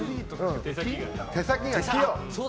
毛先が器用。